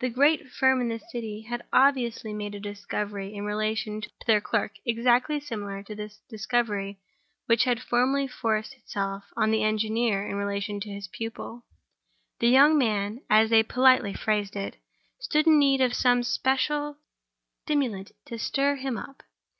The great firm in the City had obviously made a discovery in relation to their clerk, exactly similar to the discovery which had formerly forced itself on the engineer in relation to his pupil. The young man, as they politely phrased it, stood in need of some special stimulant to stir him up.